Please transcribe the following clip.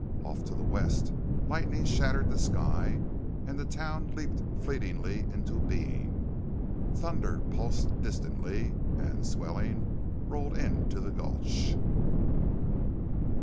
Off to the west, lightning shattered the sky, and the town leaped fleetingly into being. Thunder pulsed distantly, and, swelling, rolled into the gulch.